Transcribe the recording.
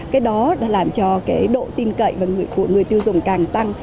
cái đó đã làm cho độ tin cậy của người tiêu dùng càng tăng